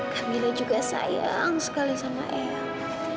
kami juga sayang sekali sama eyang